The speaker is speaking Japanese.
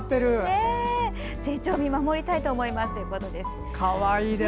成長を見守りたいと思いますということです。